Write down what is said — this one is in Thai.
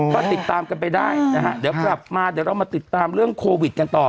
ก็ติดตามกันไปได้นะฮะเดี๋ยวกลับมาเดี๋ยวเรามาติดตามเรื่องโควิดกันต่อ